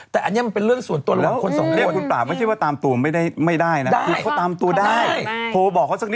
โทรบอกเขาสักนิดนึง